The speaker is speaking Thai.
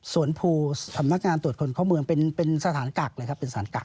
สวนภูมิทำนักงานตรวจคนข้อเมืองเป็นสถานกักเลยครับ